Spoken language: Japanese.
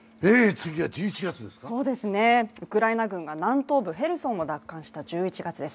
ウクライナ軍が南東部ヘルソンを奪還した１１月です。